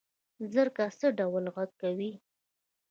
زرکه څه ډول غږ کوي؟